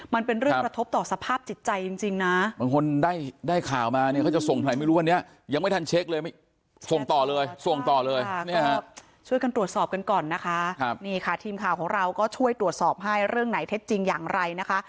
มันเป็นประทบต่อสภาพจิตใจจริงนะก็เป็นเรื่องได้ข่าวมา